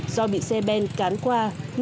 do bị xe ben cán qua